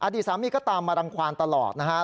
ดีสามีก็ตามมารังความตลอดนะฮะ